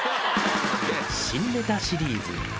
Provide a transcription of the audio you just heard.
新ネタシリーズ